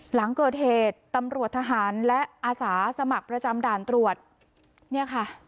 หลังเกิดเหตุตำรวจทหารและอาสาสมัครประจำด่านตรวจเนี่ยค่ะ